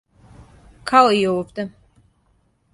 Као и овде.